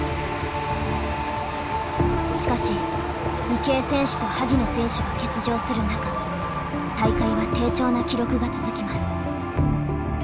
しかし池江選手と萩野選手が欠場する中大会は低調な記録が続きます。